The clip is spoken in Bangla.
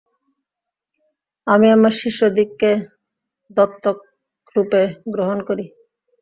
আমি আমার শিষ্যদিগকে দত্তকরূপে গ্রহণ করি।